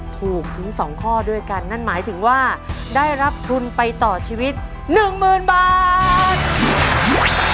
ถูกถึง๒ข้อด้วยกันนั่นหมายถึงว่าได้รับทุนไปต่อชีวิต๑๐๐๐บาท